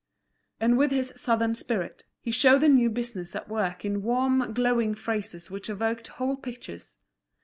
And with his southern spirit, he showed the new business at work in warm, glowing phrases which evoked whole pictures.